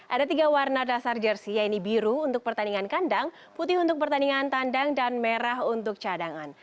ada tiga warna dasar jersi yaitu biru untuk pertandingan kandang putih untuk pertandingan tandang dan merah untuk cadangan